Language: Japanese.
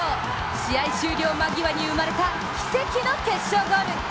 試合終了間際に生まれた奇跡の決勝ゴール。